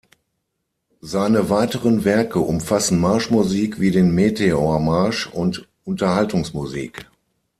Seine weiteren Werke umfassen Marschmusik wie den "Meteor-Marsch" und Unterhaltungsmusik.